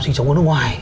sinh sống ở nước ngoài